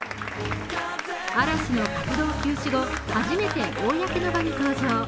嵐の活動休止後、初めて公の場に登場。